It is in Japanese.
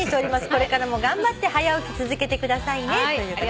「これからも頑張って『はや起き』続けてくださいね」ということです。